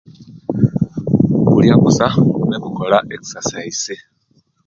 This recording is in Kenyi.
Kulia kusa no'kukola exercise